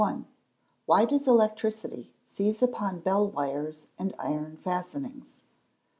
_Why does electricity seize upon bell wires and iron fastenings?